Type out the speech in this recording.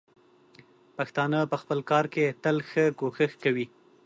پښتانه په خپل کار کې تل ښه کوښښ کوي.